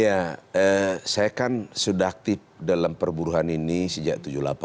ya saya kan sudah aktif dalam perburuhan ini sejak tujuh puluh delapan